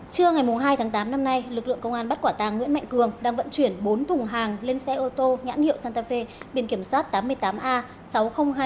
chưa ngày hai tháng tám năm nay lực lượng công an bắt quả tàng nguyễn mạnh cường đang vận chuyển bốn thùng hàng lên xe ô tô nhãn hiệu santa fe biển kiểm soát tám mươi tám a sáu mươi nghìn hai trăm chín mươi chín